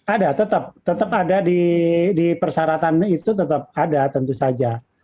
ada tetap tetap ada di persyaratan itu tetap ada tentu saja